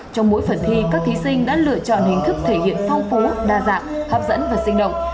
trong mỗi phần thi các thí sinh đã lựa chọn hình thức thể hiện phong phú đa dạng hấp dẫn và sinh động